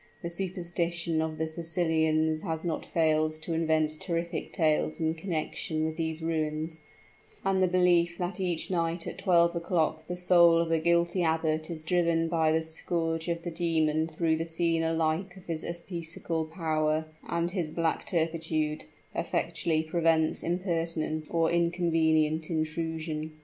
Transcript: The superstition of the Sicilians has not failed to invent terrific tales in connection with these ruins: and the belief that each night at twelve o'clock the soul of the guilty abbot is driven by the scourge of the demon through the scene alike of his episcopal power and his black turpitude, effectually prevents impertinent or inconvenient intrusion."